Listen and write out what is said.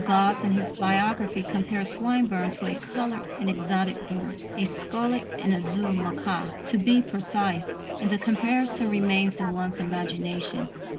Gosse in his biography compared Swinburne to a coloured and exotic bird a "scarlet and azure macaw," to, be precise and the comparison remains in one's imagination.